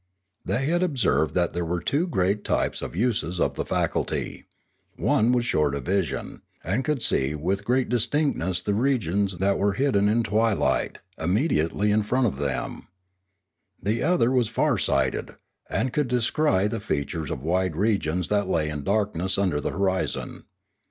They had observed that there were two great types and uses of the faculty; one was short of vision, and could see with great distinctness the regions that were hidden in twilight immediately in front of them; the other was far sighted, and could descry the fea tures of wide regions that lay in darkness under the horizon.